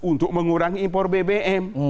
untuk mengurangi impor bbm